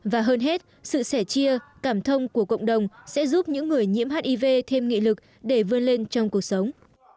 và hơn hết sự sẻ chia cảm thông của cộng đồng sẽ giúp những người nhiễm hiv thêm nghị lực để vươn lên trong cuộc sống